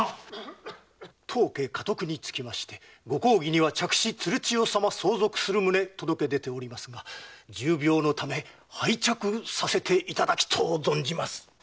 当家家督につきましてご公儀には嫡子・鶴千代様相続する旨届け出ておりますが重病のため廃嫡させていただきとう存じます。